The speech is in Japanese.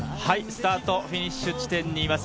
スタートフィニッシュ地点にいます。